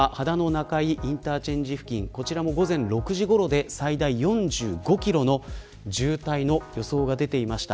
中井インターチェンジ付近こちらも午前６時ごろで最大４５キロの渋滞の予想が出ていました。